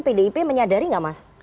pdip menyadari nggak mas